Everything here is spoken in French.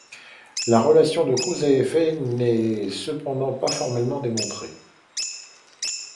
La relation de cause à effet n'est cependant pas formellement démontrée.